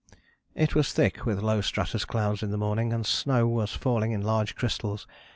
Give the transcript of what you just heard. "It was thick, with low stratus clouds in the morning, and snow was falling in large crystals.